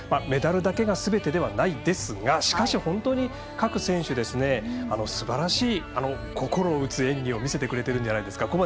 メダルだけがすべてではないですがしかし、本当に各選手、すばらしい心を打つ演技見せてくれてるんじゃないでしょうか。